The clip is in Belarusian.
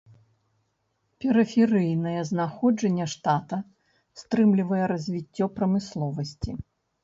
Перыферыйнае знаходжанне штата стрымлівае развіццё прамысловасці.